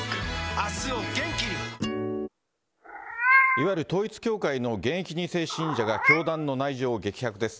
いわゆる統一教会の現役２世信者が、教団の内情を激白です。